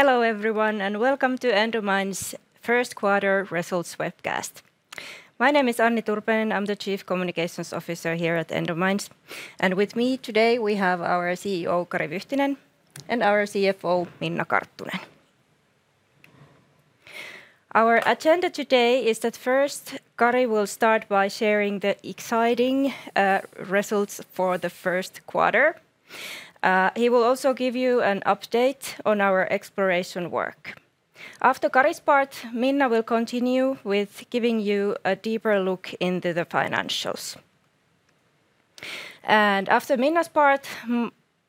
Hello, everyone, and welcome to Endomines' first quarter results webcast. My name is Anni Turpeinen. I'm the Chief Communications Officer here at Endomines, and with me today we have our CEO, Kari Vyhtinen, and our CFO, Minna Karttunen. Our agenda today is that first, Kari will start by sharing the exciting results for the first quarter. He will also give you an update on our exploration work. After Kari's part, Minna will continue with giving you a deeper look into the financials. After Minna's part,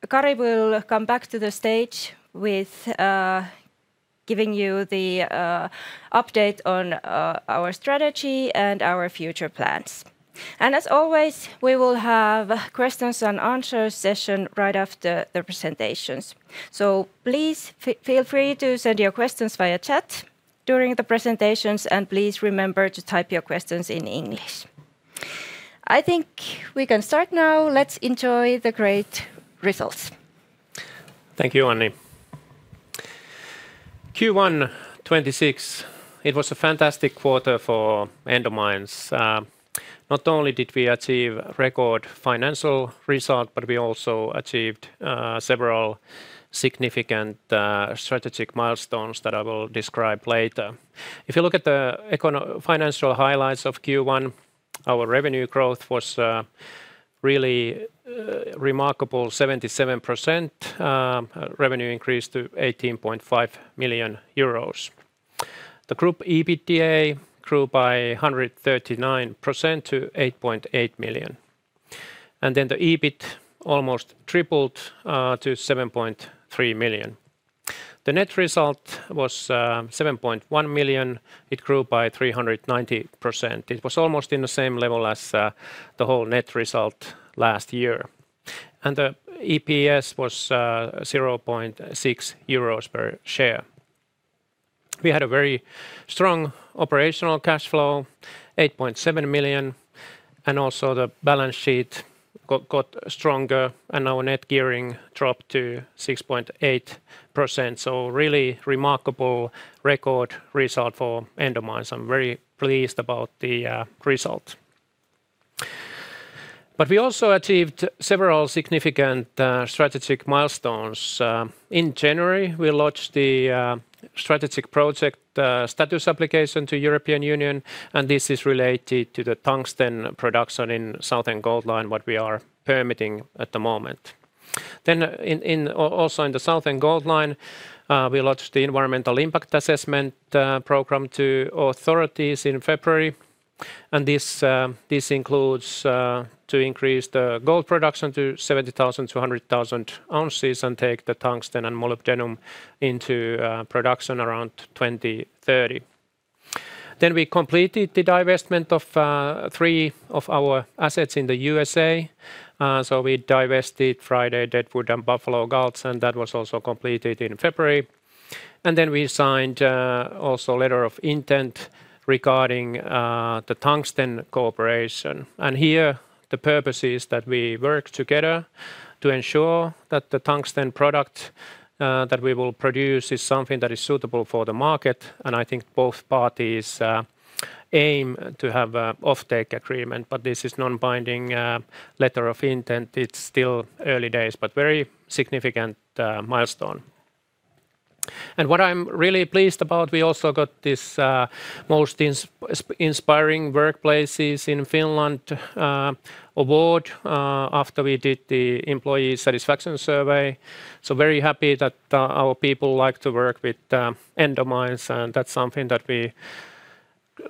Kari will come back to the stage with giving you the update on our strategy and our future plans. As always, we will have question-and-answer session right after the presentations. Please feel free to send your questions via chat during the presentations, and please remember to type your questions in English. I think we can start now. Let's enjoy the great results. Thank you, Anni. Q1 2026, it was a fantastic quarter for Endomines. Not only did we achieve record financial result, we also achieved several significant strategic milestones that I will describe later. If you look at the financial highlights of Q1, our revenue growth was really remarkable, 77% revenue increase to 18.5 million euros. The group EBITDA grew by 139% to 8.8 million. The EBIT almost tripled to 7.3 million. The net result was 7.1 million, it grew by 390%. It was almost in the same level as the whole net result last year. The EPS was 0.6 euros per share. We had a very strong operational cashflow, 8.7 million. Also, the balance sheet got stronger, and our net gearing dropped to 6.8%, so really remarkable record result for Endomines. I'm very pleased about the result. We also achieved several significant strategic milestones. In January, we launched the Strategic Project status application to European Union, and this is related to the tungsten production in Southern Gold Line, what we are permitting at the moment. Also, in the Southern Gold Line, we launched the Environmental Impact Assessment program to authorities in February, and this includes to increase the gold production to 70,000 oz-100,000 oz and take the tungsten and molybdenum into production around 2030. We completed the divestment of three of our assets in the U.S.A. So, we divested Friday, Deadwood, and Buffalo Gulch, and that was also completed in February. We signed also letter of intent regarding the tungsten cooperation. Here, the purpose is that we work together to ensure that the tungsten product that we will produce is something that is suitable for the market, and I think both parties aim to have a offtake agreement, but this is non-binding letter of intent. It's still early days, but very significant milestone. What I'm really pleased about, we also got this Most Inspiring Workplaces in Finland Award after we did the employee satisfaction survey, so very happy that our people like to work with Endomines, and that's something that we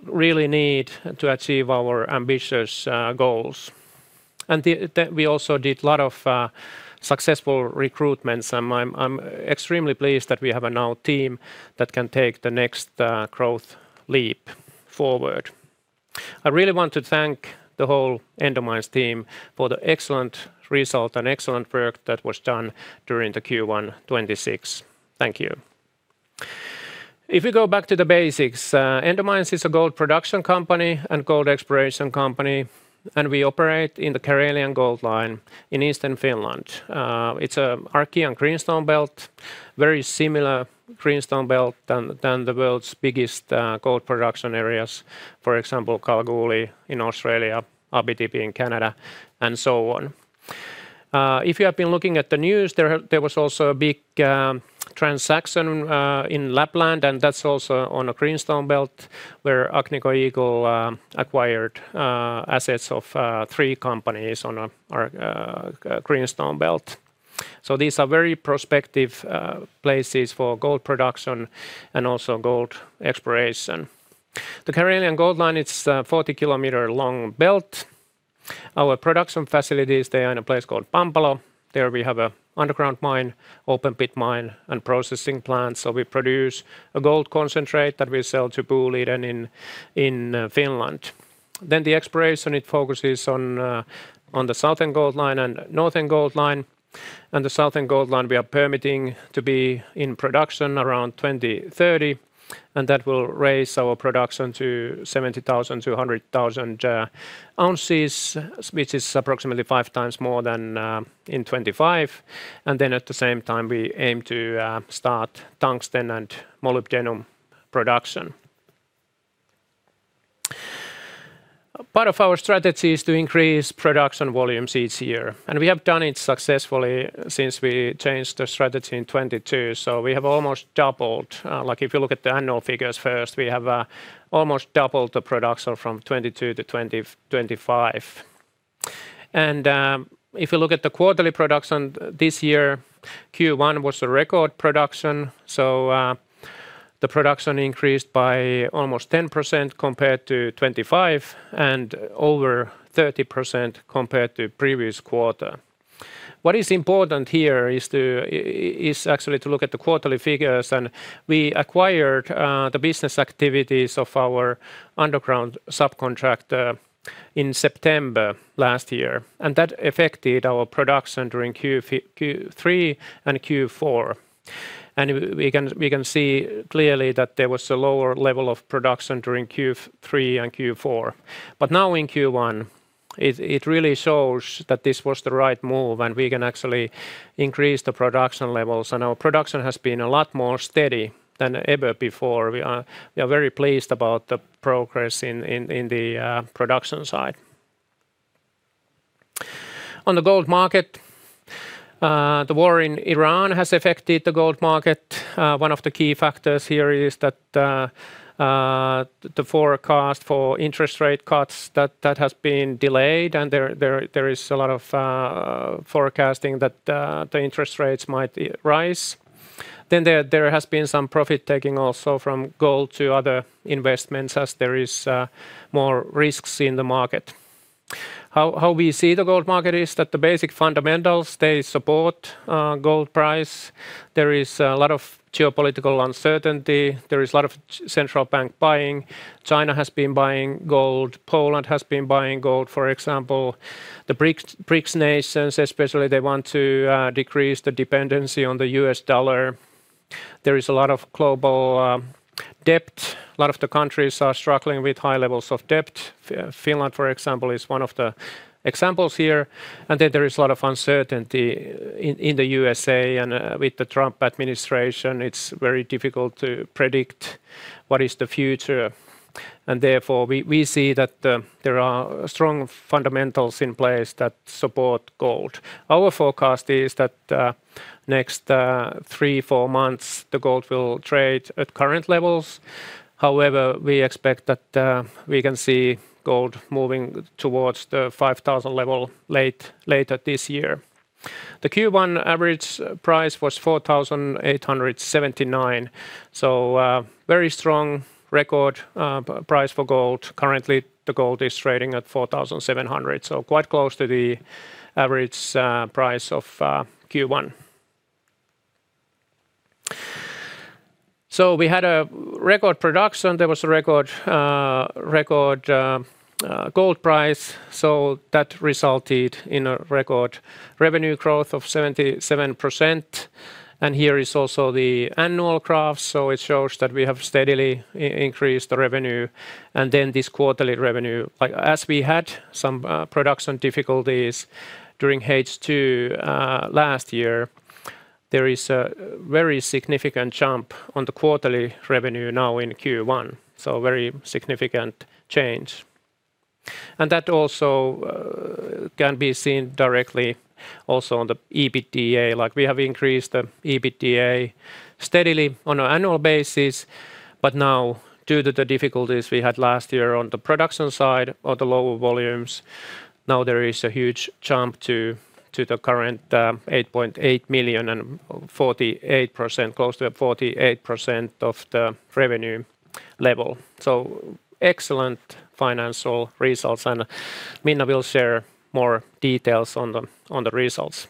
really need to achieve our ambitious goals. We also did lot of successful recruitments, and I'm extremely pleased that we have a now team that can take the next growth leap forward. I really want to thank the whole Endomines team for the excellent result and excellent work that was done during the Q1 2026. Thank you. If you go back to the basics, Endomines is a gold production company and gold exploration company, and we operate in the Karelian Gold Line in Eastern Finland. It's an Archean greenstone belt, very similar greenstone belt than the world's biggest gold production areas, for example Kalgoorlie in Australia, Abitibi in Canada, and so on. If you have been looking at the news, there was also a big transaction in Lapland, and that's also on a greenstone belt where Agnico Eagle acquired assets of three companies on a greenstone belt. So, these are very prospective places for gold production and also gold exploration. The Karelian Gold Line, it's a 40-km-long belt. Our production facilities, they are in a place called Pampalo. There, we have an underground mine, open pit mine, and processing plant. We produce a gold concentrate that we sell to Boliden in Finland. Then the exploration, it focuses on the Southern Gold Line and Northern Gold Line, and the Southern Gold Line we are permitting to be in production around 2030. That will raise our production to 70,000 oz-100,000 oz, which is approximately five times more than in 2025. At the same time, we aim to start tungsten and molybdenum production. Part of our strategy is to increase production volumes each year, and we have done it successfully since we changed the strategy in 2022. So, we have almost doubled. Like if you look at the annual figures first, we have almost doubled the production from 2022 to 2025. If you look at the quarterly production this year, Q1 was a record production. The production increased by almost 10% compared to 2025 and over 30% compared to previous quarter. What is important here is actually to look at the quarterly figures and we acquired the business activities of our underground subcontractor in September last year, and that affected our production during Q3 and Q4. We can see clearly that there was a lower level of production during Q3 and Q4. Now in Q1, it really shows that this was the right move and we can actually increase the production levels, and our production has been a lot more steady than ever before. We are very pleased about the progress in the production side. On the gold market, the war in Iran has affected the gold market. One of the key factors here is that the forecast for interest rate cuts, that has been delayed, and there is a lot of forecasting that the interest rates might rise. There has been some profit-taking also from gold to other investments as there is more risks in the market. How we see the gold market is that the basic fundamentals, they support gold price. There is a lot of geopolitical uncertainty. There is a lot of central bank buying. China has been buying gold. Poland has been buying gold, for example. The BRICS nations especially, they want to decrease the dependency on the U.S. dollar. There is a lot of global debt, a lot of the countries are struggling with high levels of debt. Finland, for example, is one of the examples here. There is a lot of uncertainty in the U.S.A. and with the Trump administration, it's very difficult to predict what is the future. Therefore, we see that there are strong fundamentals in place that support gold. Our forecast is that next three, four months, the gold will trade at current levels. However, we expect that we can see gold moving towards the $5,000 level later this year. The Q1 average price was $4,879, so very strong record price for gold. Currently, the gold is trading at $4,700, so quite close to the average price of Q1. So, we had a record production, there was a record gold price, so that resulted in a record revenue growth of 77%. Here is also the annual graph, so it shows that we have steadily increased the revenue and then this quarterly revenue. Like, as we had some production difficulties during H2 last year, there is a very significant jump on the quarterly revenue now in Q1, so very significant change. That also can be seen directly also on the EBITDA. We have increased the EBITDA steadily on an annual basis, but now due to the difficulties we had last year on the production side or the lower volumes, now there is a huge jump to the current 8.8 million and 48%, close to a 48% of the revenue level. Excellent financial results, and Minna will share more details on the results.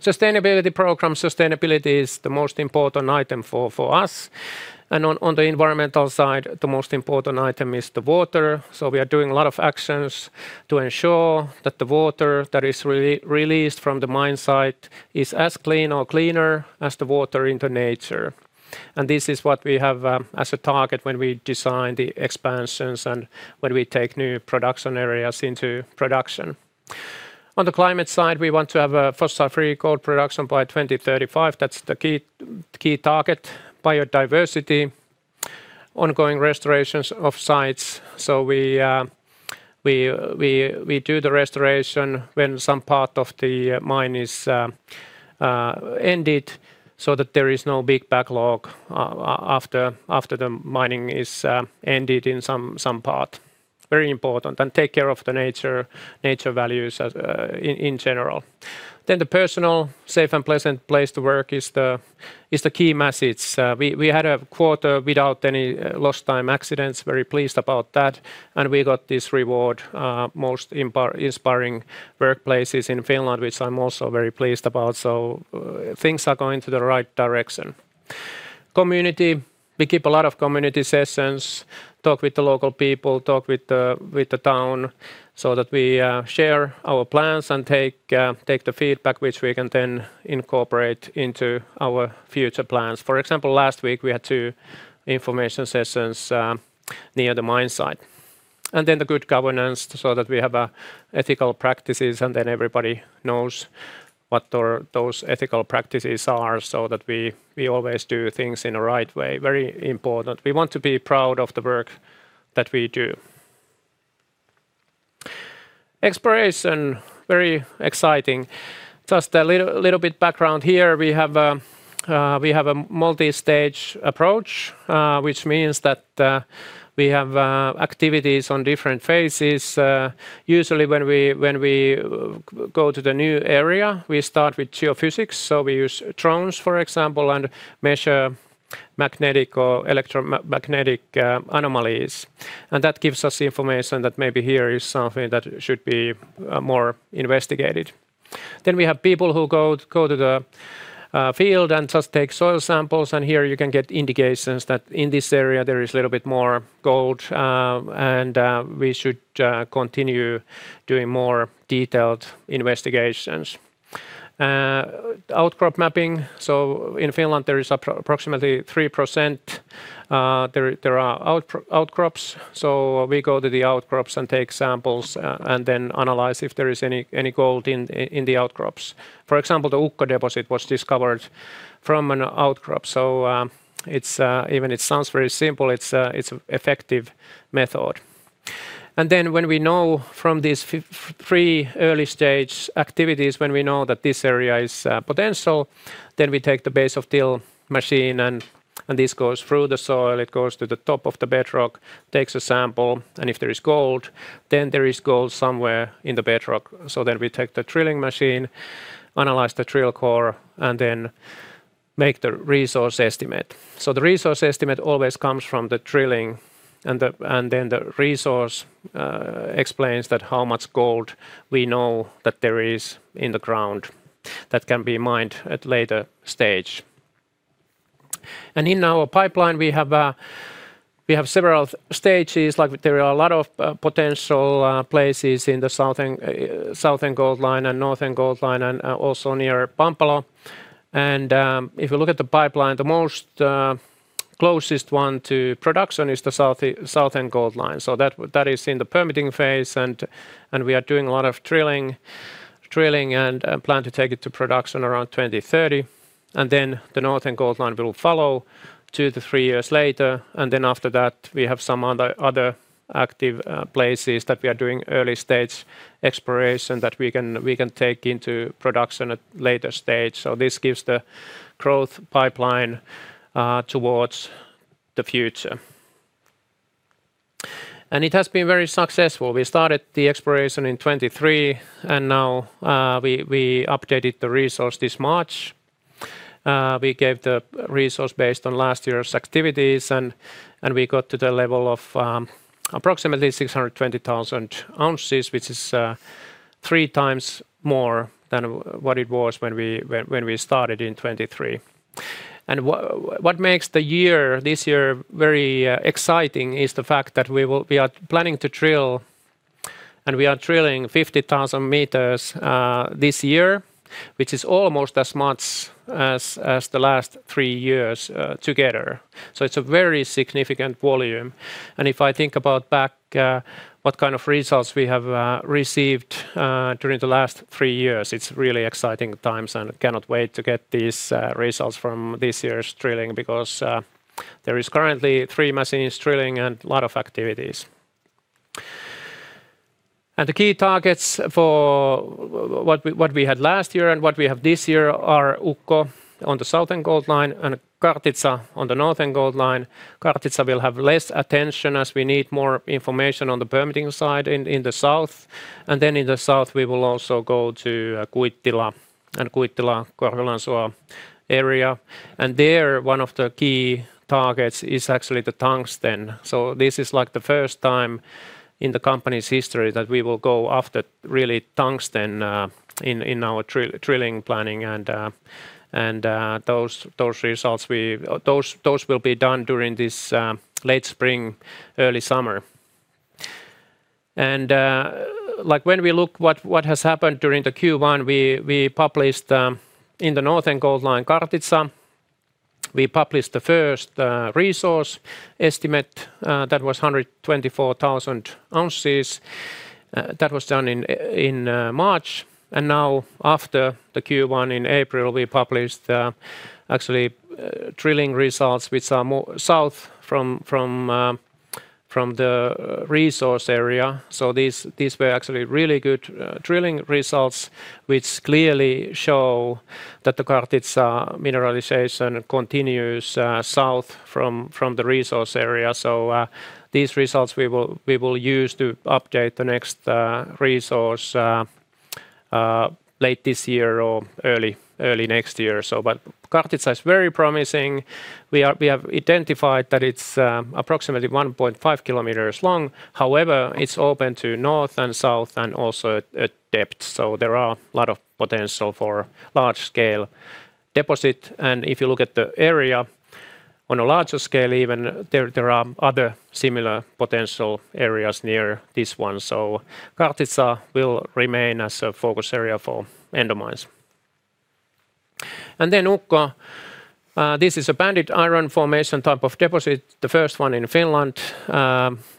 Sustainability program. Sustainability is the most important item for us. On the environmental side, the most important item is the water, so we are doing a lot of actions to ensure that the water that is released from the mine site is as clean or cleaner as the water in the nature. This is what we have as a target when we design the expansions and when we take new production areas into production. On the climate side, we want to have a fossil-free gold production by 2035. That's the key target. Biodiversity, ongoing restorations of sites, so we do the restoration when some part of the mine is ended so that there is no big backlog after the mining is ended in some part. Very important. Take care of the nature values in general. Then the personal safe and pleasant place to work is the key message. We had a quarter without any lost time accidents. Very pleased about that. And we got this reward, Most Inspiring Workplaces in Finland, which I'm also very pleased about. Things are going to the right direction. Community. We keep a lot of community sessions, talk with the local people, talk with the town so that we share our plans and take the feedback, which we can then incorporate into our future plans. For example, last week we had two information sessions near the mine site. Then, the good governance so that we have ethical practices, and then everybody knows what or those ethical practices are so that we always do things in a right way. Very important. We want to be proud of the work that we do. Exploration, very exciting. Just a little bit background here. We have a multi-stage approach, which means that we have activities on different phases. Usually, when we go to the new area, we start with geophysics. We use drones, for example, and measure magnetic or electromagnetic anomalies, and that gives us information that maybe here is something that should be more investigated. We have people who go to the field and just take soil samples, and here you can get indications that in this area there is a little bit more gold, and we should continue doing more detailed investigations. Outcrop mapping. In Finland, there is approximately 3%, there are outcrops. We go to the outcrops and take samples and then analyze if there is any gold in the outcrops. For example, the Ukko deposit was discovered from an outcrop, so, it's, even it sounds very simple, it's effective method. When we know from these three early stage activities, when we know that this area is potential, then we take the base of till machine, and this goes through the soil, it goes to the top of the bedrock, takes a sample, and if there is gold, then there is gold somewhere in the bedrock. So, we take the drilling machine, analyze the drill core, and then make the resource estimate. The resource estimate always comes from the drilling and then the resource explains that how much gold we know that there is in the ground that can be mined at later stage. In our pipeline, we have several stages like there are a lot of potential places in the Southern Gold Line and Northern Gold Line and also near Pampalo. If you look at the pipeline, the most closest one to production is the Southern Gold Line. That is in the permitting phase, and we are doing a lot of drilling and plan to take it to production around 2030. Then, the Northern Gold Line will follow two to three years later. After that, we have some other active places that we are doing early-stage exploration that we can take into production at later stage. This gives the growth pipeline towards the future. And it has been very successful. We started the exploration in 2023 and now we updated the resource this March. We gave the resource based on last year's activities and we got to the level of approximately 620,000 oz, which is three times more than what it was when we started in 2023. What makes the year, this year very exciting is the fact that we are planning to drill, and we are drilling 50,000 m this year, which is almost as much as the last three years together, so it's a very significant volume. If I think about back, what kind of results we have received during the last three years, it's really exciting times and cannot wait to get these results from this year's drilling because there is currently three machines drilling and a lot of activities. The key targets for what we had last year and what we have this year are Ukko on the Southern Gold Line and Kartitsa on the Northern Gold Line. Kartitsa will have less attention as we need more information on the permitting side in the south. Then, in the south, we will also go to Kuittila and Kuittila-Korvilansuo area. There, one of the key targets is actually the tungsten. This is like the first time in the company's history that we will go after really tungsten in our drilling planning, and those results will be done during this late spring, early summer. Like when we look what has happened during the Q1, we published, in the Northern Gold Line Kartitsa, we published the first resource estimate that was 124,000 oz. That was done in March, and now, after the Q1 in April, we published actually drilling results which are more south from the resource area. These were actually really good drilling results, which clearly show that the Kartitsa mineralization continues south from the resource area. These results, we will use to update the next resource late this year or early next year. Kartitsa is very promising. We have identified that it's approximately 1.5 km long. However, it's open to north and south and also at depth, so there are a lot of potential for large scale deposit. If you look at the area on a larger scale even, there are other similar potential areas near this one, so, Kartitsa will remain as a focus area for Endomines. Then Ukko, this is a banded iron formation type of deposit, the first one in Finland,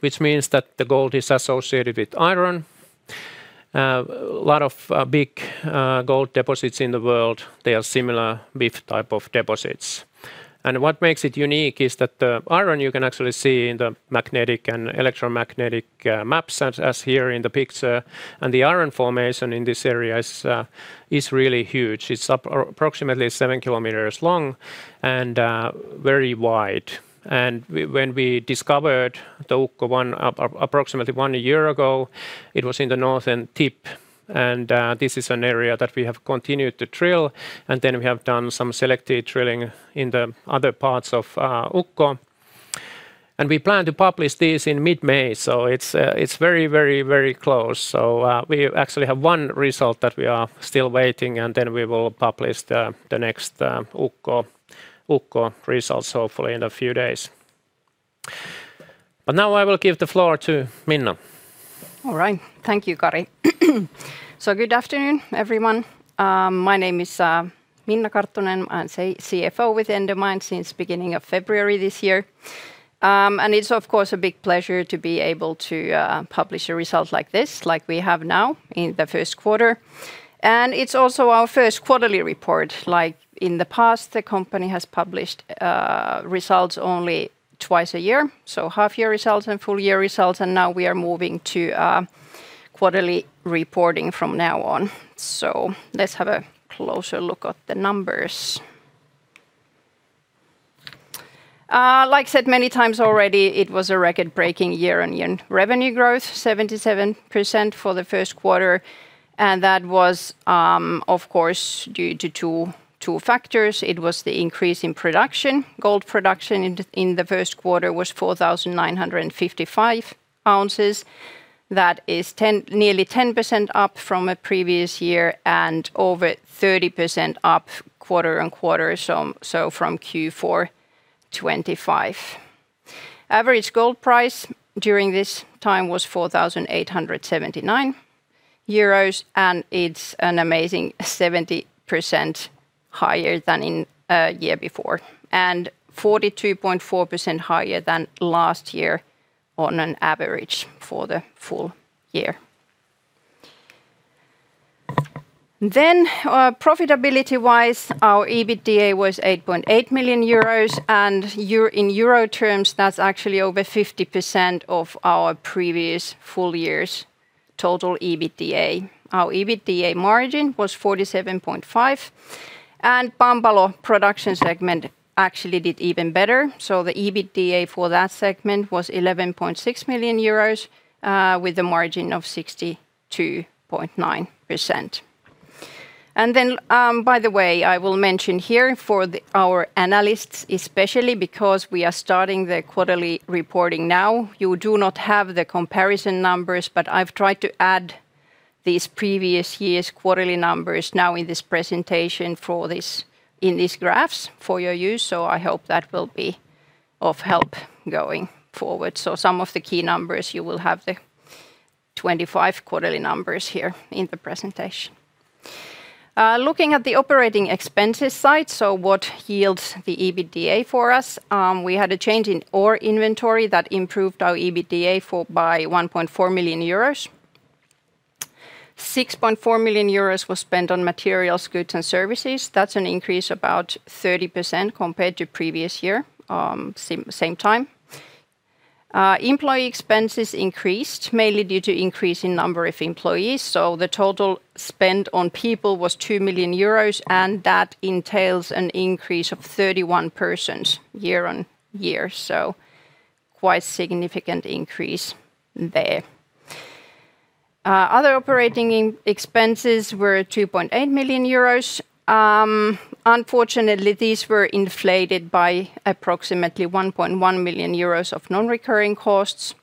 which means that the gold is associated with iron. A lot of big gold deposits in the world, they are similar BIF type of deposits. What makes it unique is that the iron you can actually see in the magnetic and electromagnetic maps as here in the picture, and the iron formation in this area is really huge. It's approximately 7 km long and very wide. When we discovered the Ukko one approximately one year ago, it was in the northern tip, and this is an area that we have continued to drill. Then, we have done some selected drilling in the other parts of Ukko. We plan to publish this in mid-May, so it's very, very, very close. We actually have one result that we are still waiting, and then we will publish the next Ukko results, hopefully, in a few days. Now, I will give the floor to Minna. All right. Thank you, Kari. Good afternoon, everyone. My name is Minna Karttunen. I'm CFO with Endomines since beginning of February this year. It's, of course, a big pleasure to be able to publish a result like this, like we have now in the first quarter. It's also our first quarterly report. Like in the past, the company has published results only twice a year, so, half-year results and full-year results, and now we are moving to quarterly reporting from now on. Let's have a closer look at the numbers. Like said many times already, it was a record-breaking year-on-year revenue growth, 77% for the first quarter, and that was, of course, due to two factors. It was the increase in production. Gold production in the first quarter was 4,955 oz. That is nearly 10% up from a previous year and over 30% up quarter-on-quarter from Q4 2025. Average gold price during this time was 4,879 euros, and it's an amazing 70% higher than in year before, and 42.4% higher than last year on an average for the full year. Profitability-wise, our EBITDA was 8.8 million euros, and in euro terms, that's actually over 50% of our previous full year's total EBITDA. Our EBITDA margin was 47.5%, and Pampalo production segment actually did even better, so the EBITDA for that segment was 11.6 million euros with a margin of 62.9%. Then, by the way, I will mention here for our analysts especially, because we are starting the quarterly reporting now, you do not have the comparison numbers, but I've tried to add these previous years' quarterly numbers now in this presentation for this in these graphs for your use, so I hope that will be of help going forward. Some of the key numbers, you will have the 2025 quarterly numbers here in the presentation. Looking at the operating expenses side, so what yields the EBITDA for us, we had a change in ore inventory that improved our EBITDA by 1.4 million euros. 6.4 million euros was spent on materials, goods, and services. That's an increase about 30% compared to previous year, same time. Employee expenses increased, mainly due to increase in number of employees, so the total spend on people was 2 million euros, and that entails an increase of 31 persons year-on-year, so quite significant increase there. Other operating expenses were 2.8 million euros. Unfortunately, these were inflated by approximately 1.1 million euros of non-recurring costs,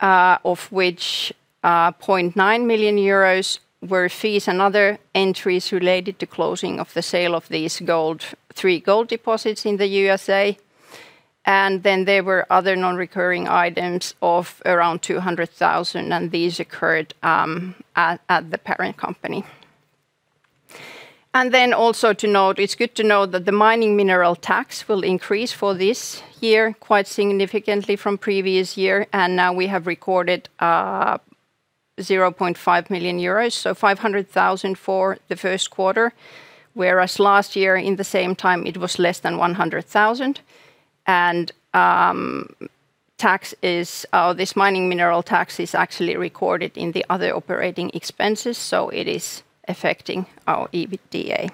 of which 0.9 million euros were fees and other entries related to closing of the sale of these three gold deposits in the U.S.A. Then, there were other non-recurring items of around 200,000, and these occurred at the parent company. Also to note, it is good to know that the mining minerals tax will increase for this year quite significantly from previous year, and now we have recorded 0.5 million euros, so 500,000 for the first quarter, whereas last year in the same time it was less than 100,000. This mining minerals tax is actually recorded in the other operating expenses, so it is affecting our EBITDA.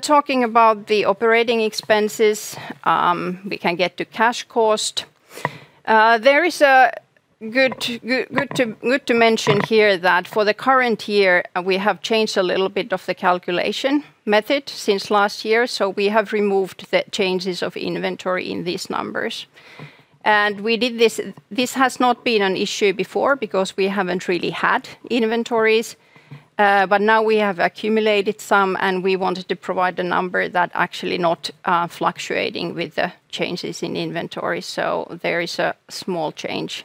Talking about the operating expenses, we can get to cash cost. There is good to mention here that for the current year, we have changed a little bit of the calculation method since last year, so we have removed the changes of inventory in these numbers. We did this, this has not been an issue before because we haven't really had inventories, but now, we have accumulated some, and we wanted to provide a number that actually not fluctuating with the changes in inventory, so, there is a small change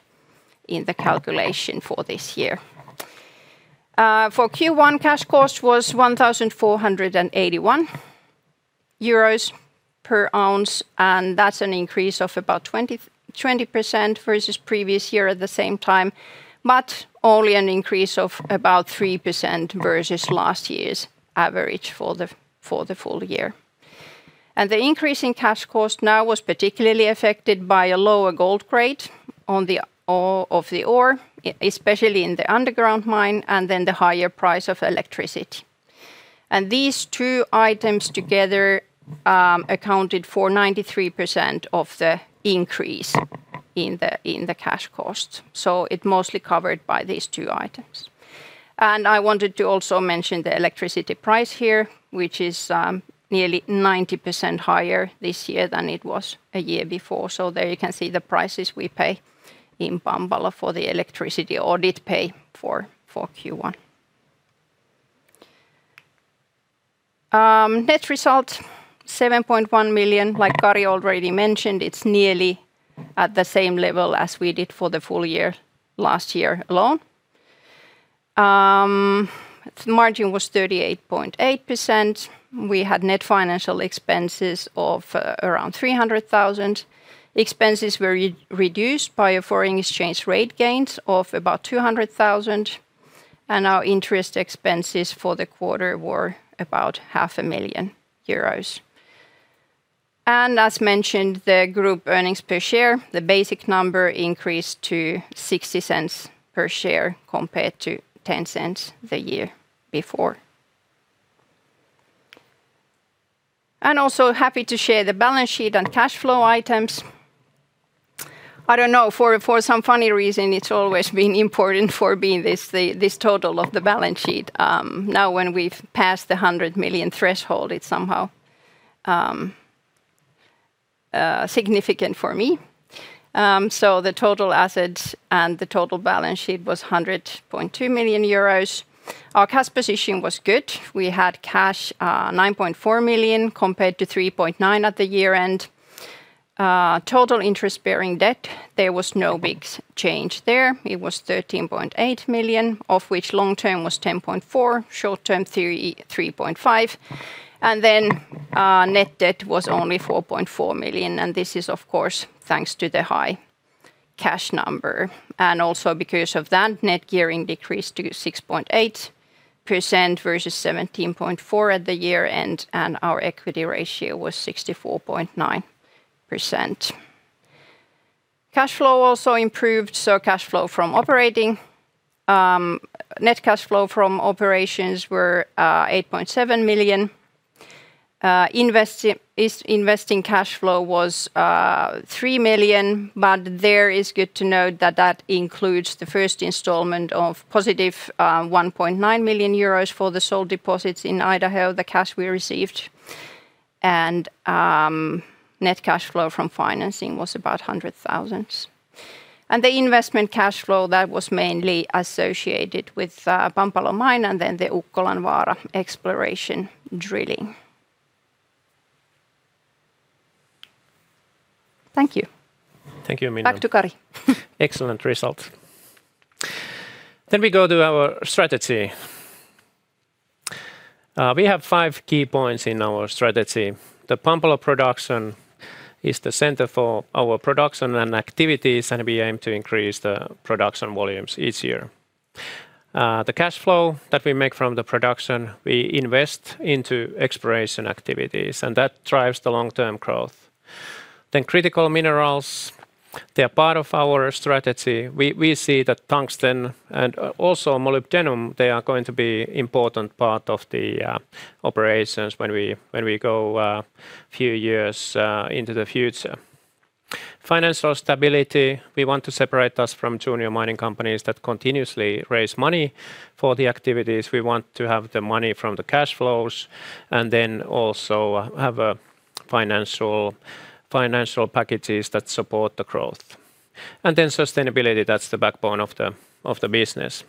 in the calculation for this year. For Q1, cash cost was 1,481 euros/oz, and that's an increase of about 20% versus previous year at the same time, but only an increase of about 3% versus last year's average for the full year. The increase in cash cost now was particularly affected by a lower gold grade of the ore, especially in the underground mine, and then the higher price of electricity. These two items together accounted for 93% of the increase in the cash cost. It mostly covered by these two items. I wanted to also mention the electricity price here, which is nearly 90% higher this year than it was a year before. There, you can see the prices we pay in Pampalo for the electricity or did pay for Q1. Net result, 7.1 million, like Kari already mentioned. It's nearly at the same level as we did for the full year last year alone. The margin was 38.8%. We had net financial expenses of around 300,000. Expenses were reduced by a foreign exchange rate gains of about 200,000. Our interest expenses for the quarter were about 500,000 euros. As mentioned, the group earnings per share, the basic number increased to 0.60 per share compared to 0.10 the year before. Also, happy to share the balance sheet on cash flow items. I don't know, for some funny reason it's always been important for me this total of the balance sheet. Now, when we've passed the 100 million threshold, it's somehow significant for me. So, the total assets and the total balance sheet was 100.2 million euros. Our cash position was good. We had cash, 9.4 million compared to 3.9 million at the year end. Total interest-bearing debt, there was no big change there. It was 13.8 million, of which long term was 10.4 million, short term 3.5 million. Then, net debt was only 4.4 million, and this is of course thanks to the high cash number. Also, because of that, net gearing decrease to 6.8% versus 17.4% at the year end, and our equity ratio was 64.9%. Cash flow also improved, so cash flow from operating, net cash flow from operations were 8.7 million. Investing cash flow was 3 million, but there is good to note that that includes the first installment of +1.9 million euros for the sold deposits in Idaho, the cash we received. Net cash flow from financing was about 100,000. The investment cash flow, that was mainly associated with Pampalo Mine and then the Ukkolanvaara exploration drilling. Thank you. Thank you, Minna. Back to Kari. Excellent results. We go to our strategy. We have five key points in our strategy. The Pampalo production is the center for our production and activities, and we aim to increase the production volumes each year. The cash flow that we make from the production we invest into exploration activities, and that drives the long-term growth. Critical minerals, they're part of our strategy. We see that tungsten and also molybdenum, they are going to be important part of the operations when we go few years into the future. Financial stability, we want to separate us from junior mining companies that continuously raise money for the activities. We want to have the money from the cash flows, and then also have a financial packages that support the growth. Sustainability, that's the backbone of the business.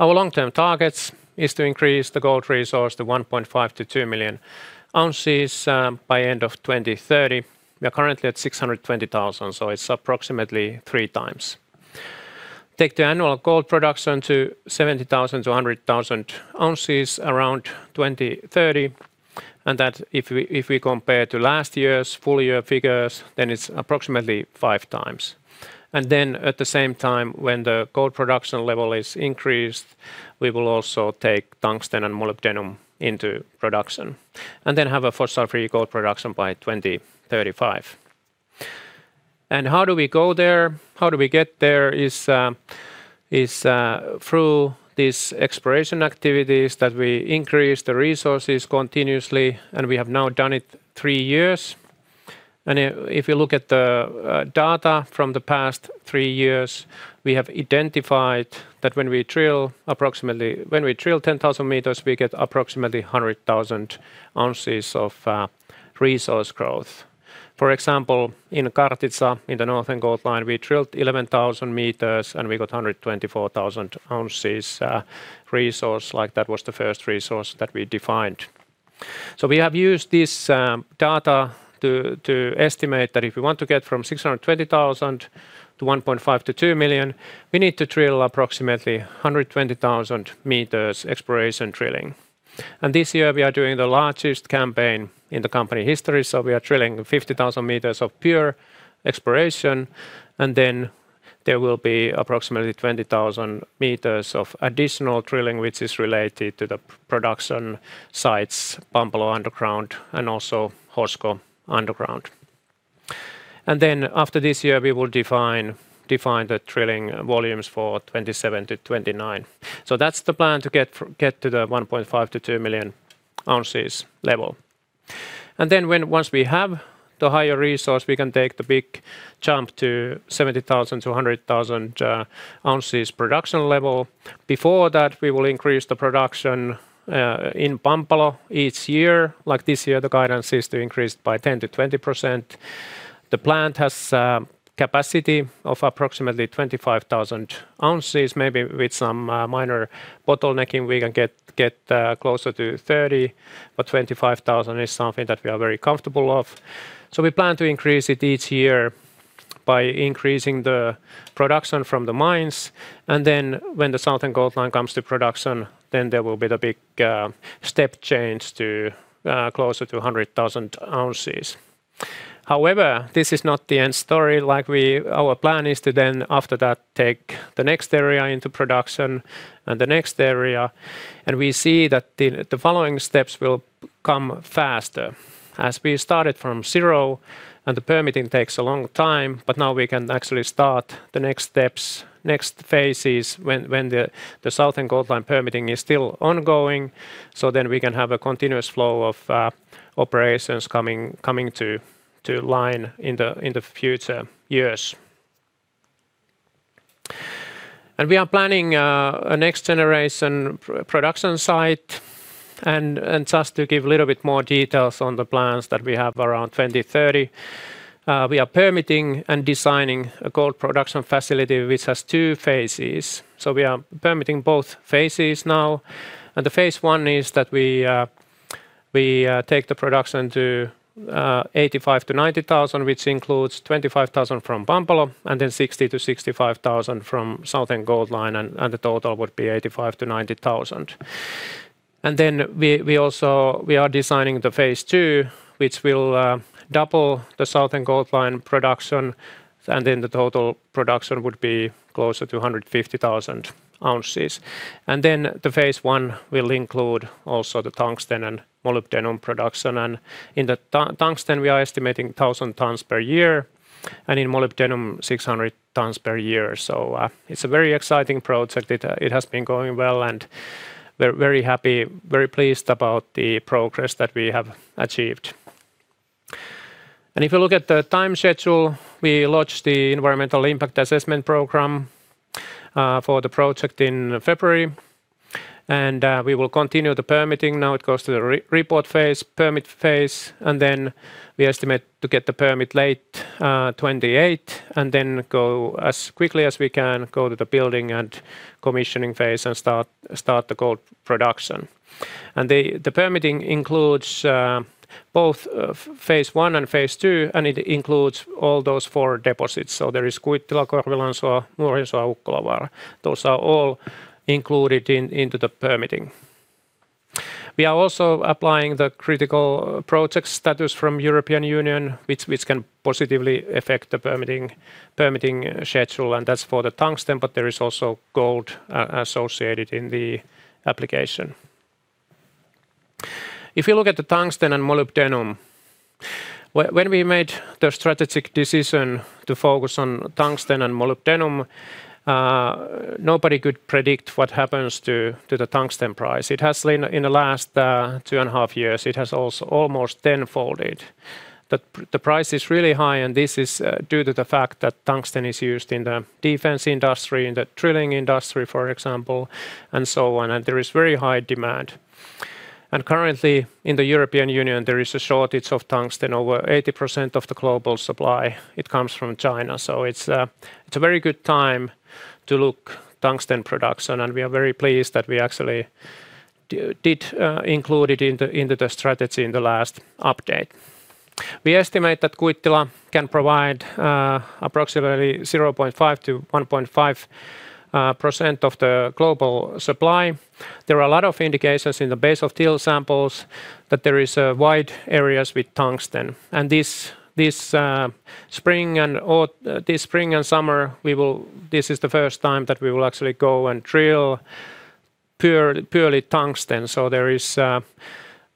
Our long-term targets is to increase the gold resource to 1.5 million oz-2 million oz by end of 2030. We are currently at 620,000 oz, so it's approximately three times. Take the annual gold production to 70,000 oz-100,000 oz around 2030, and that if we compare to last year's full year figures, then it's approximately five times. At the same time, when the gold production level is increased, we will also take tungsten and molybdenum into production and then have a fossil-free gold production by 2035. How do we go there? How do we get there is through these exploration activities that we increase the resources continuously, and we have now done it three years. If you look at the data from the past three years, we have identified that when we drill approximately 10,000 m, we get approximately 100,000 oz of resource growth. For example, in Kartitsa in the Northern Gold Line, we drilled 11,000 m and we got 124,000 oz resource. Like, that was the first resource that we defined. We have used this data to estimate that if we want to get from 620,000 oz to 1.5 million oz-2 million oz, we need to drill approximately 120,000 m exploration drilling. This year, we are doing the largest campaign in the company history, we are drilling 50,000 m of pure exploration, and then, there will be approximately 20,000 m of additional drilling which is related to the production sites, Pampalo underground and also Hosko underground. After this year, we will define the drilling volumes for 2027 to 2029. So, that's the plan to get to the 1.5 million oz-2 million oz level. Then, once we have the higher resource, we can take the big jump to 70,000 oz-100,000 oz production level. Before that, we will increase the production in Pampalo each year. Like this year, the guidance is to increase by 10%-20%. The plant has capacity of approximately 25,000 oz. Maybe with some minor bottlenecking, we can get closer to 30,000 oz, but 25,000 oz is something that we are very comfortable of. We plan to increase it each year by increasing the production from the mines, and then when the Southern Gold Line comes to production, then there will be the big step change to closer to 100,000 oz. However, this is not the end story. Like, our plan is to then, after that, take the next area into production and the next area, and we see that the following steps will come faster. As we started from zero and the permitting takes a long time, but now we can actually start the next steps, next phases when the Southern Gold Line permitting is still ongoing. Then, we can have a continuous flow of operations coming to line in the future years. And we are planning a next-generation production site. Just to give a little bit more details on the plans that we have around 2030, we are permitting and designing a gold production facility which has two phases. We are permitting both phases now. The phase one is that we take the production to 85,000 oz-90,000 oz, which includes 25,000 oz from Pampalo, then 60,000 oz-65,000 oz from Southern Gold Line, and the total would be 85,000 oz-90,000 oz. Then, we also we are designing the phase two, which will double the Southern Gold Line production, then the total production would be closer to 150,000 oz. Then, the phase one will include also the tungsten and molybdenum production. In the tungsten, we are estimating 1,000 tons per year, in molybdenum, 600 tons per year. It's a very exciting project. It has been going well, and we're very happy, very pleased about the progress that we have achieved. If you look at the time schedule, we launched the Environmental Impact Assessment program for the project in February, and we will continue the permitting. Now, it goes to the report phase, permit phase, then we estimate to get the permit late 2028, then go as quickly as we can, go to the building and commissioning phase, and start the gold production. The permitting includes both phase one and phase two, and it includes all those four deposits. There is Kuittila, Korvilansuo, Muurinsuo, Ukkolanvaara. Those are all included into the permitting. We are also applying the critical project status from European Union, which can positively affect the permitting schedule, and that's for the tungsten, but there is also gold associated in the application. If you look at the tungsten and molybdenum, when we made the strategic decision to focus on tungsten and molybdenum, nobody could predict what happens to the tungsten price. It has in the last 2.5 years; it has almost ten-folded. The price is really high, and this is due to the fact that tungsten is used in the defense industry, in the drilling industry, for example, and so on, there is very high demand. Currently, in the European Union, there is a shortage of tungsten. Over 80% of the global supply, it comes from China. It's a very good time to look tungsten production, and we are very pleased that we actually did include it in the strategy in the last update. We estimate that Kuittila can provide approximately 0.5%-1.5% of the global supply. There are a lot of indications in the base of till samples that there is wide areas with tungsten. This spring and summer, this is the first time that we will actually go and drill purely tungsten.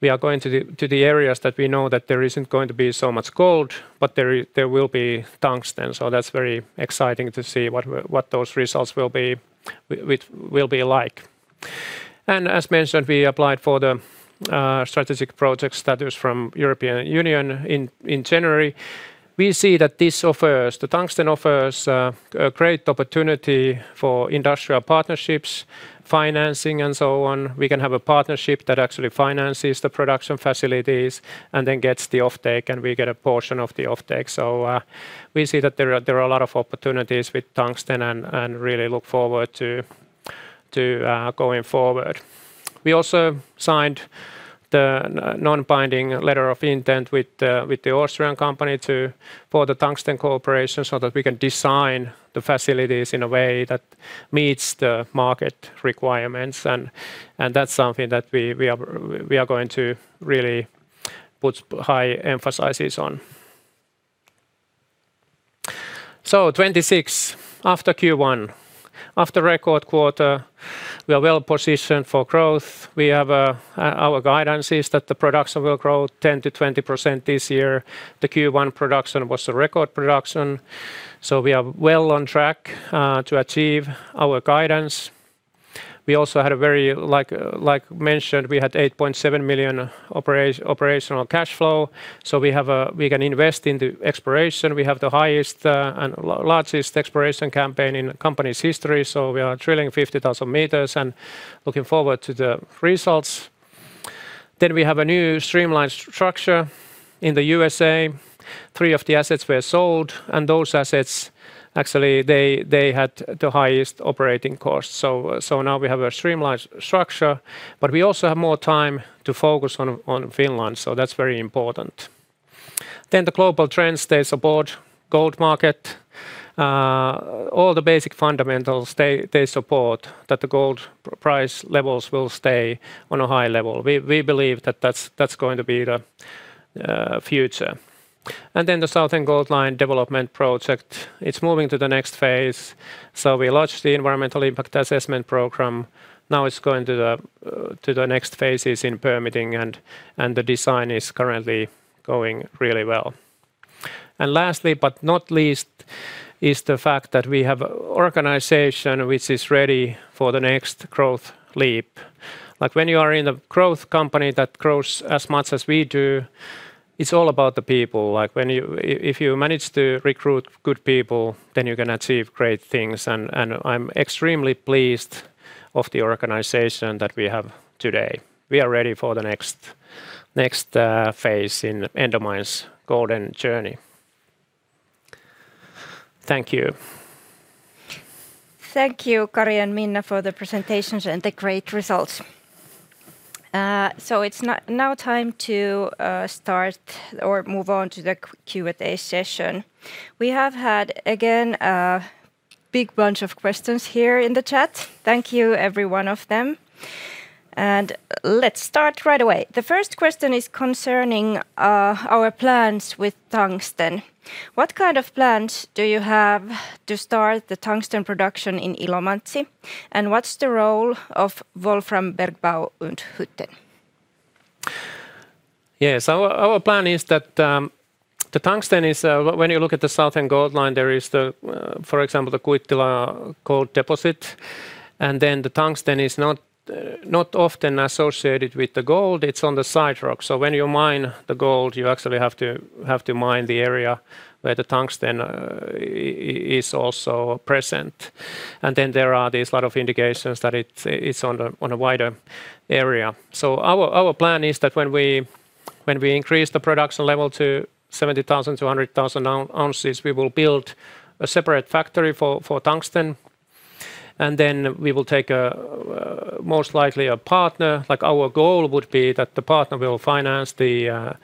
We are going to the areas that we know that there isn't going to be so much gold, but there will be tungsten, so that's very exciting to see what those results will be like. As mentioned, we applied for the Strategic Project status from European Union in January. We see that this offers, the tungsten offers a great opportunity for industrial partnerships, financing, and so on. We can have a partnership that actually finances the production facilities, and then gets the offtake, and we get a portion of the offtake. We see that there are a lot of opportunities with tungsten and really look forward to going forward. We also signed the non-binding letter of intent with the Austrian company to, for the tungsten cooperation, so that we can design the facilities in a way that meets the market requirements and that's something that we are going to really put high emphasizes on. So, 2026, after Q1, after record quarter, we are well-positioned for growth. We have, our guidance is that the production will grow 10%-20% this year. The Q1 production was a record production, so we are well on track to achieve our guidance. We also had a very, like mentioned, we had 8.7 million operational cash flow, so we can invest into exploration. We have the highest and largest exploration campaign in the company's history, we are drilling 50,000 m and looking forward to the results. We have a new streamlined structure in the U.S.A. Three of the assets were sold, and those assets, actually, they had the highest operating costs. Now, we have a streamlined structure, but we also have more time to focus on Finland, so that's very important. The global trends, they support gold market. All the basic fundamentals, they support that the gold price levels will stay on a high level. We believe that that's going to be the future. The Southern Gold Line development project, it's moving to the next phase. We launched the Environmental Impact Assessment program. Now, it's going to the next phases in permitting and the design is currently going really well. Lastly but not least, is the fact that we have organization which is ready for the next growth leap. Like, when you are in a growth company that grows as much as we do, it's all about the people. Like, if you manage to recruit good people, then you can achieve great things, and I'm extremely pleased of the organization that we have today. We are ready for the next phase in Endomines' golden journey. Thank you. Thank you, Kari and Minna, for the presentations and the great results. It's now time to start or move on to the Q&A session. We have had, again, a big bunch of questions here in the chat. Thank you, every one of them. Let's start right away. The first question is concerning our plans with tungsten. What kind of plans do you have to start the tungsten production in Ilomantsi, and what's the role of Wolfram Bergbau und Hütten? Yes. Our plan is that, the tungsten, when you look at the Southern Gold Line, there is, for example, the Kuittila gold deposit, the tungsten is not often associated with the gold. It's on the side rock, so when you mine the gold, you actually have to mine the area where the tungsten is also present. Then, there are these lot of indications that it's on a wider area. Our plan is that when we increase the production level to 70,000 oz-100,000 oz, we will build a separate factory for tungsten, and then, we will take a most likely a partner. But our goal would be that the partner will finance the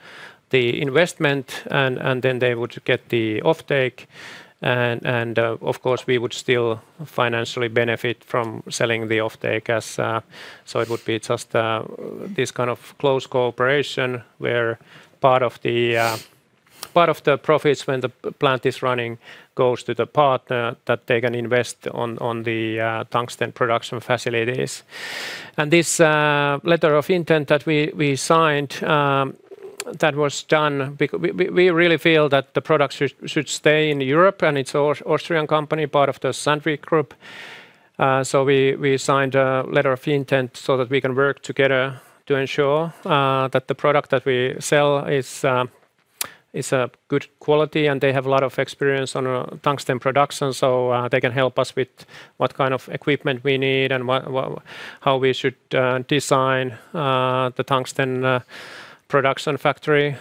investment and then they would get the offtake and, of course, we would still financially benefit from selling the offtake. It would be just this kind of close cooperation where part of the profits when the plant is running goes to the partner that they can invest on the tungsten production facilities. This letter of intent that we signed, that was done because we really feel that the products should stay in Europe, and it's Austrian company, part of the Sandvik Group, so we signed a letter of intent so that we can work together to ensure that the product that we sell is a good quality. They have a lot of experience on tungsten production, so they can help us with what kind of equipment we need and how we should design the tungsten production factory.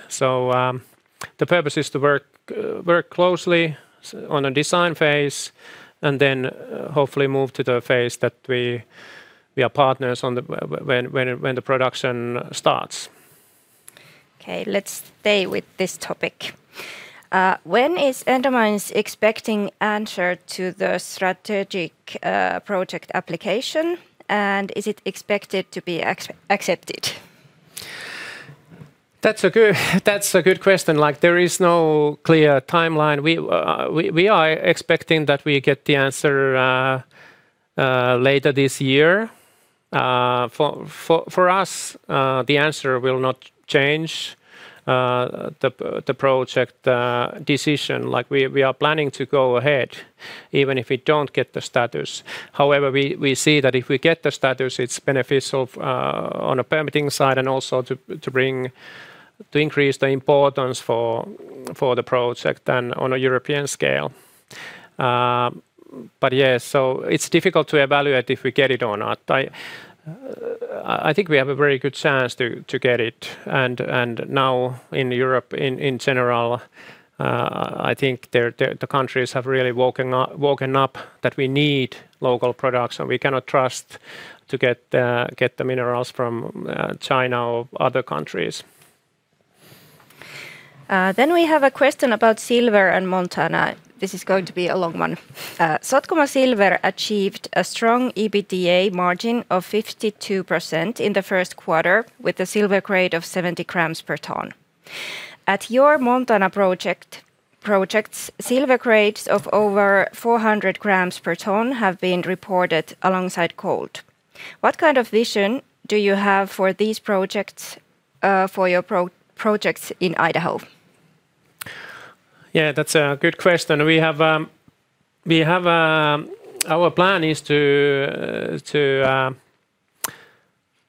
The purpose is to work closely on the design phase, then hopefully move to the phase that we are partners on the when the production starts. Okay, let's stay with this topic. When is Endomines expecting answer to the Strategic Project application, and is it expected to be accepted? That's a good question. Like, there is no clear timeline. We are expecting that we get the answer later this year. For us, the answer will not change the project decision. Like, we are planning to go ahead even if we don't get the status. However, we see that if we get the status, it's beneficial on a permitting side and also to bring to increase the importance for the project and on a European scale. Yeah, it's difficult to evaluate if we get it or not. I think, we have a very good chance to get it and now in Europe, in general, I think there the countries have really woken up that we need local products, and we cannot trust to get the minerals from China or other countries. We have a question about silver and Montana. This is going to be a long one. Sotkamo Silver achieved a strong EBITDA margin of 52% in the first quarter with a silver grade of 70 g/ton. At your Montana projects, silver grades of over 400 g/ton have been reported alongside gold. What kind of vision do you have for these projects, for your projects in Idaho? Yeah, that's a good question. We have a, our plan is to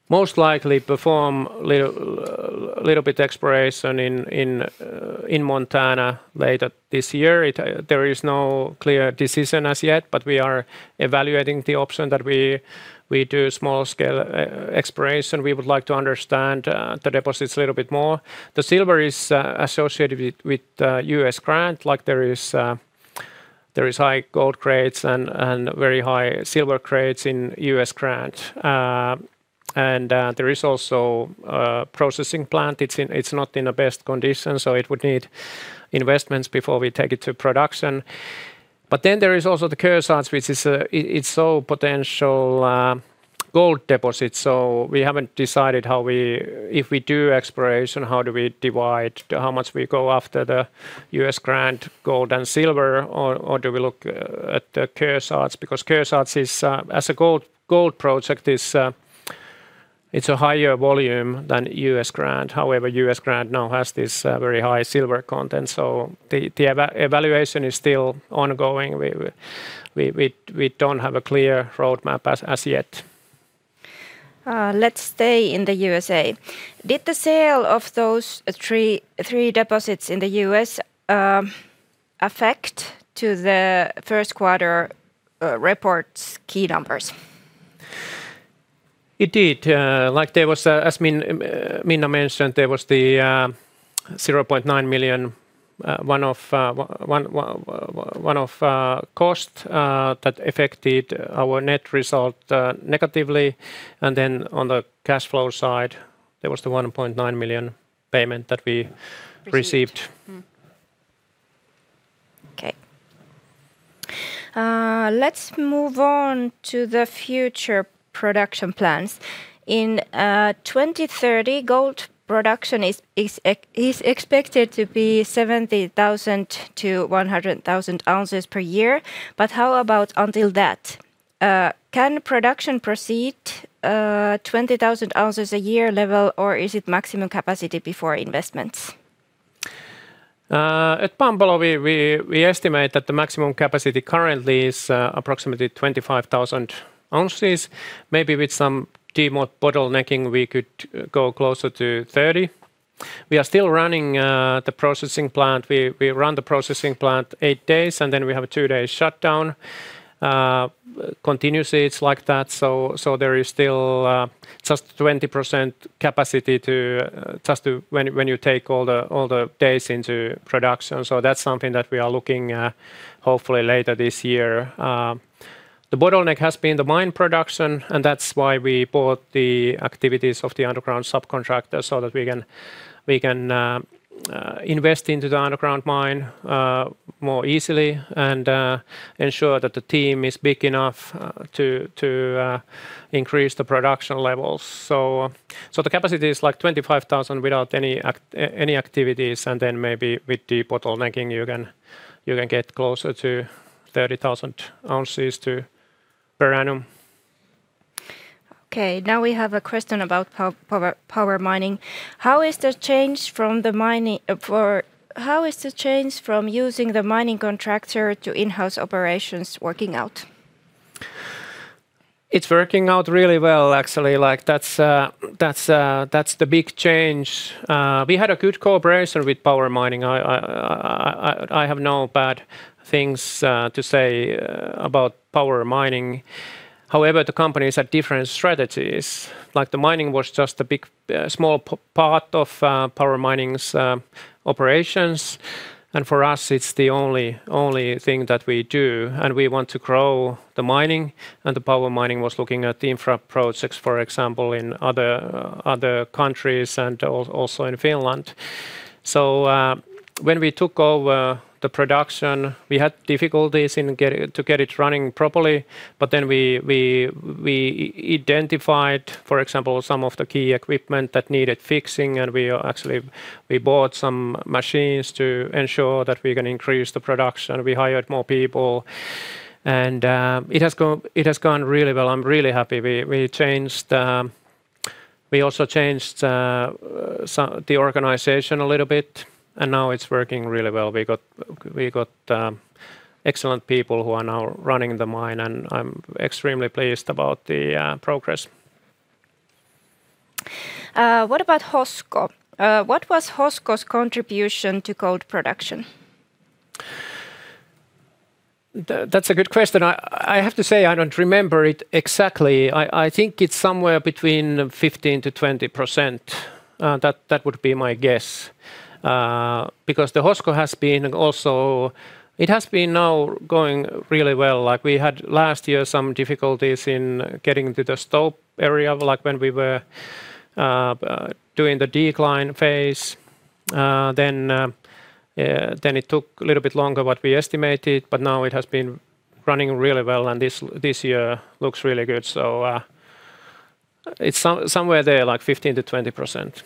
most likely perform little bit exploration in Montana later this year. There is no clear decision as yet, but we are evaluating the option that we do small-scale exploration. We would like to understand the deposits a little bit more. The silver is associated with U.S. Grant. Like, there is high gold grades and very high silver grades in U.S. Grant. There is also a processing plant. It's not in the best condition, so it would need investments before we take it to production. Then, there is also the Kearsarge, which is, it's all potential gold deposits, so we haven't decided how we, if we do exploration, how do we divide the, how much we go after the U.S. Grant gold and silver, or do we look at the Kearsarge? Because Kearsarge is as a gold project is it's a higher volume than U.S. Grant. However, U.S. Grant now has this very high silver content, so the evaluation is still ongoing. We don't have a clear roadmap as yet. Let's stay in the U.S.A. Did the sale of those three deposits in the U.S., affect to the first quarter report's key numbers? It did. Like there was, as Minna mentioned, there was the 0.9 million one-off cost that affected our net result negatively. Then, on the cash flow side, there was the 1.9 million payment that we. Received. Received. Okay. Let's move on to the future production plans. In 2030, gold production is expected to be 70,000 oz-100,000 oz per year, but how about until that? Can production proceed 20,000 oz a year level, or is it maximum capacity before investments? At Pampalo, we estimate that the maximum capacity currently is approximately 25,000 oz. Maybe with some de-bottlenecking, we could go closer to 30,000 oz. We are still running the processing plant. We run the processing plant eight days, and then we have a two-day shutdown. Continuously, it's like that, so there is still just 20% capacity to, just to when you take all the days into production, so that's something that we are looking hopefully later this year. The bottleneck has been the mine production, and that's why we bought the activities of the underground subcontractor so that we can invest into the underground mine more easily and ensure that the team is big enough to increase the production levels. The capacity is, like, 25,000 oz without any activities, and then maybe with de-bottlenecking, you can get closer to 30,000 oz per annum. Okay. Now we have a question about Power Mining. How is the change from using the mining contractor to in-house operations working out? It's working out really well, actually. Like, that's, that's the big change. We had a good cooperation with Power Mining. I have no bad things to say about Power Mining. However, the companies have different strategies. Like, the mining was just a big, small part of Power Mining's operations, and for us it's the only thing that we do, and we want to grow the mining, and the Power Mining was looking at the infra projects, for example, in other countries and also in Finland. When we took over the production, we had difficulties in get it running properly, but then we identified, for example, some of the key equipment that needed fixing, and we actually, we bought some machines to ensure that we can increase the production. We hired more people and it has gone really well. I'm really happy we changed. We also changed the organization a little bit, and now it's working really well. We got excellent people who are now running the mine, and I'm extremely pleased about the progress. What about Hosko? What was Hosko's contribution to gold production? That's a good question. I have to say I don't remember it exactly. I think it's somewhere between 15%-20%, that would be my guess. Because the Hosko has been also, it has been now going really well. Like, we had last year some difficulties in getting to the stope area, like when we were doing the decline phase, then it took a little bit longer what we estimated, but now it has been running really well, and this year looks really good. It's somewhere there, like 15%-20%.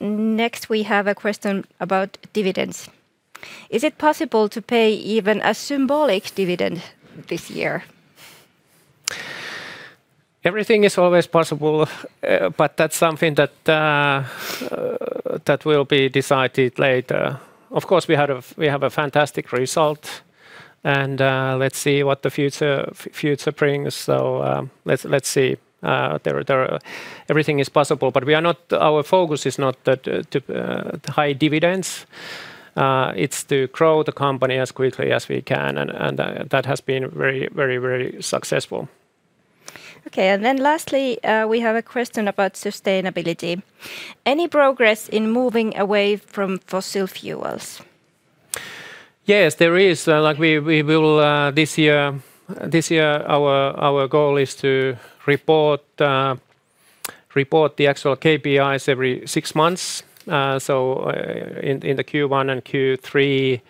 Next, we have a question about dividends. Is it possible to pay even a symbolic dividend this year? Everything is always possible, but that's something that will be decided later. Of course, we have a fantastic result, let's see what the future brings. Let's see. There, everything is possible, but our focus is not the high dividends, it's to grow the company as quickly as we can, and that has been very, very successful. Okay. Lastly, we have a question about sustainability. Any progress in moving away from fossil fuels? Yes, there is. Like, we will this year, this year, our goal is to report the actual KPIs every six months. So, in the Q1 and Q3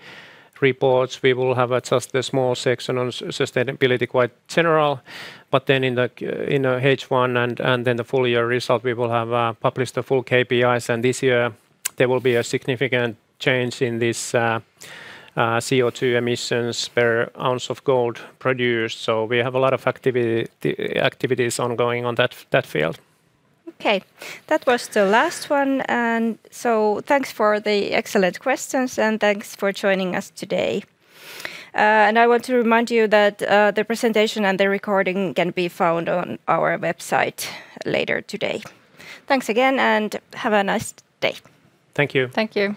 reports, we will have a just a small section on sustainability, quite general. But in H1 and then the full year result, we will have published the full KPIs, and this year there will be a significant change in this CO2 emissions per ounce of gold produced. We have a lot of activities ongoing on that field. Okay. That was the last one. Thanks for the excellent questions, and thanks for joining us today. I want to remind you that the presentation and the recording can be found on our website later today. Thanks again, have a nice day. Thank you. Thank you.